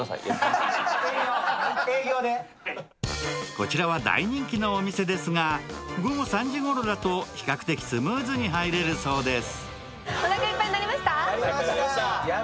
こちらは大人気のお店ですが、午後３時ごろだと比較的スムーズに入れるそうです。